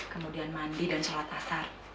kemudian mandi dan sholat asar